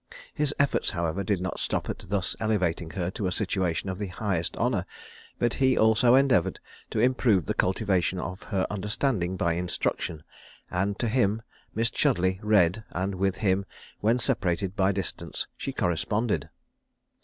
His efforts, however, did not stop at thus elevating her to a situation of the highest honour; but he also endeavoured to improve the cultivation of her understanding by instruction; and to him Miss Chudleigh read, and with him, when separated by distance, she corresponded.